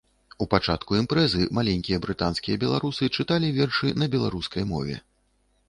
У пачатку імпрэзы маленькія брытанскія беларусы чыталі вершы на беларускай мове.